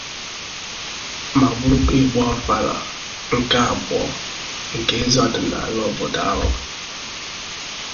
ma bụrụkwa ịgba ọvala nke abụọ nke eze ọdịnala obodo ahụ